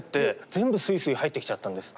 全部スイスイ入ってきちゃったんです。